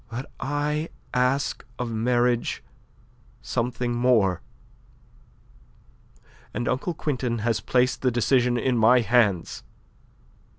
But I ask of marriage something more; and Uncle Quintin has placed the decision in my hands."